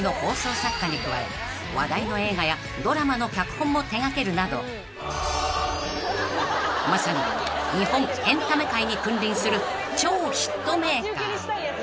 ［話題の映画やドラマの脚本も手掛けるなどまさに日本エンタメ界に君臨する超ヒットメーカー］